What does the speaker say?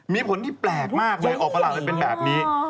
มีผลที่แปลกมากเลยออกฝรั่งมันเป็นแบบนี้